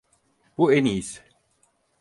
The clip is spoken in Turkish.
Bu en iyisi.